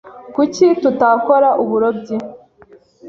Kuki tutakora uburobyi?